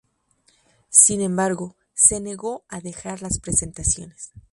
Sin embargo, se negó a dejar las presentaciones.